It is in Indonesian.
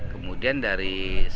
kemudian dari sembilan belas